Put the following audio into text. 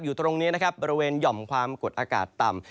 อยู่ตรงนี้นะครับบริเวณหย่อมความกดอากาศต่ำ